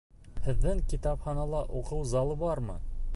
Һеҙҙең китапханала уҡыу залы бармы?